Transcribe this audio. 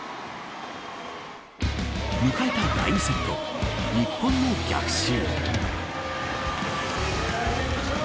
迎えた第２セット日本の逆襲。